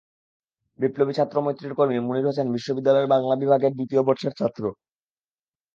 বিপ্লবী ছাত্র মৈত্রীর কর্মী মুনীর হোসেন বিশ্ববিদ্যালয়ের বাংলা বিভাগের দ্বিতীয় বর্ষের ছাত্র।